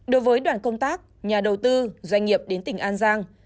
đối với đoàn công tác nhà đầu tư doanh nghiệp đến tỉnh an giang